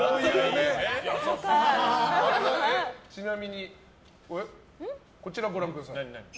ちなみにこちらご覧ください。